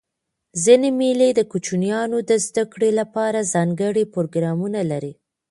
ځيني مېلې د کوچنيانو د زدهکړي له پاره ځانګړي پروګرامونه لري.